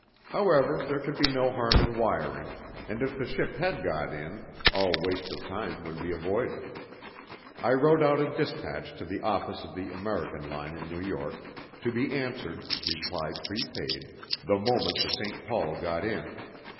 However, there could be no harm in wiring, and if the ship had got in all waste of time would be avoided. I wrote out a despatch to the office of the American line in New York, to be answered (reply prepaid) the moment the St. Paul got in.